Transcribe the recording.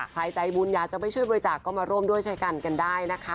ใจบุญอยากจะไปช่วยบริจาคก็มาร่วมด้วยใช้กันกันได้นะคะ